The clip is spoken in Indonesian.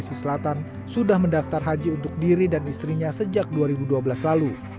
sulawesi selatan sudah mendaftar haji untuk diri dan istrinya sejak dua ribu dua belas lalu